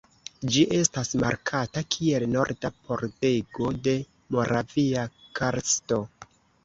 Ĝi estas markata kiel "Norda pordego de Moravia karsto".